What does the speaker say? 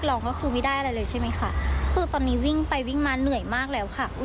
น้ำถามเฉยนะคะ